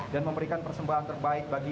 dan memberikan persembahan terbaik bagi